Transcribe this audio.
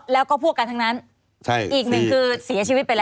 แล้วก็พวกกันทั้งนั้น